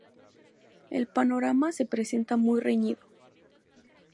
El panorama se presenta muy reñido.